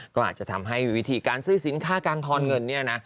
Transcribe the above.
ก็อาจจะทำให้วิธีการซื้อสินค้าการทอนเงินเนี่ยนะ